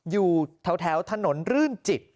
อยู่แถวถนนรื่นจิต